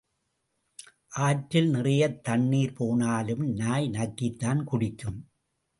ஆற்றில் நிறையத் தண்ணீர் போனாலும் நாய் நக்கித்தான் குடிக்கும்.